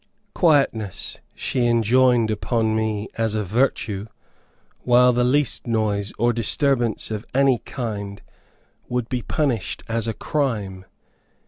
Quietness, she enjoined upon me as a virtue, while the least noise, or disturbance of any kind, would be punished as a crime.